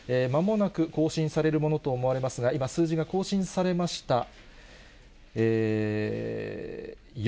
まもなく更新されるものと思われますが、今、数字が更新されました。